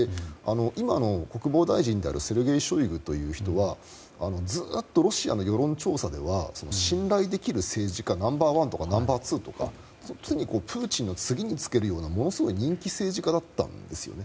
今の国防大臣であるセルゲイ・ショイグという人はずっとロシアの世論調査では信頼できる政治家ナンバーワンとかナンバーツーや常にプーチンの次につけるようなものすごい人気政治家だったんですよね。